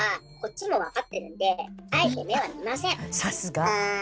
さすが。